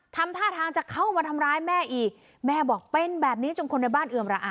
ทำท่าทางจะเข้ามาทำร้ายแม่อีกแม่บอกเป็นแบบนี้จนคนในบ้านเอือมระอา